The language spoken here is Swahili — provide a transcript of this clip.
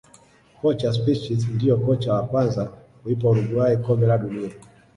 Kocha Suppici ndio kocha wa kwanza kuipa uruguay kombe la dunia